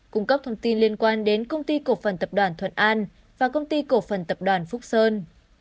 cung cấp thông tin liên quan đến công ty cổ phần tập đoàn thuận an và công ty cổ phần tập đoàn phúc sơn